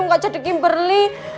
gak jadi kimberly